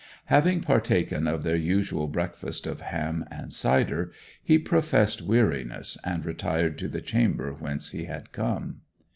Having partaken of their usual breakfast of ham and cider he professed weariness and retired to the chamber whence he had come.